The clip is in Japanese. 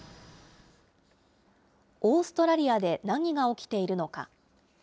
オーストラリアで何が起きているのか。